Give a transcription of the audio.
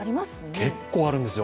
結構あるんですよ。